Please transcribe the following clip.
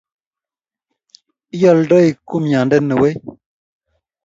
ioldei kumyande wei?